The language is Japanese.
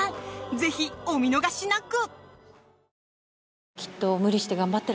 ぜひお見逃しなく。